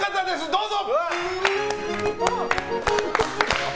どうぞ！